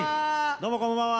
どうもこんばんは。